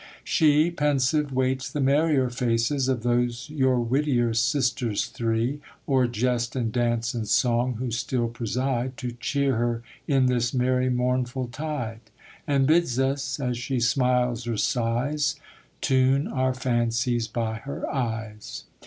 She, pensive, waits the merrier faces Of those your wittier sisters three, O'er jest and dance and song who still preside, To cheer her in this merry mournful tide; And bids us, as she smiles or sighs, Tune our fancies by her eyes.